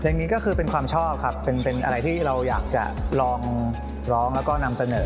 นี้ก็คือเป็นความชอบครับเป็นอะไรที่เราอยากจะลองร้องแล้วก็นำเสนอ